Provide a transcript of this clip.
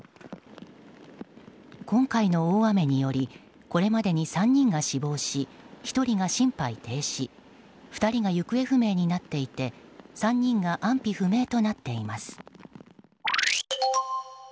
今回の大雨によりこれまでに３人が死亡し１人が心肺停止２人が行方不明になっていて３人が安否不明となっています。